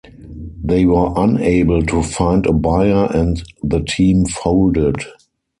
They were unable to find a buyer and the team folded.